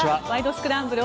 スクランブル」